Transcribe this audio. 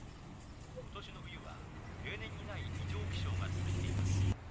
今年の冬は例年にない異常気象が続いています。